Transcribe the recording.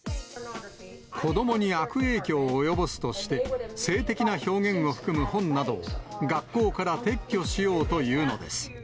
子どもに悪影響を及ぼすとして、性的な表現を含む本などを、学校から撤去しようというのです。